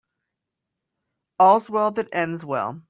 All's well that ends well